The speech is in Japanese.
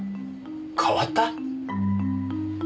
変わった？